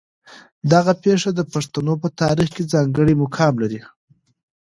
دغه پېښه د پښتنو په تاریخ کې ځانګړی مقام لري.